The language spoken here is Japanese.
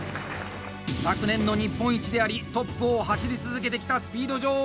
昨年の日本一でありトップを走り続けてきた「スピード女王」